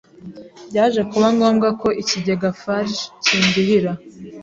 Byaje kuba ngombwa ko ikigega Farg kindihira